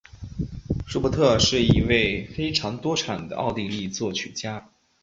舒伯特是一位非常多产的奥地利作曲家。